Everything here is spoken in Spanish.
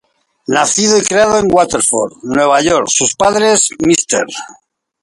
Nacido y criado en Waterford, Nueva York, sus padres, Mr.